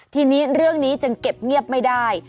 ทีนี้เรื่องนี้จึงเก็บเงียบไม่ได้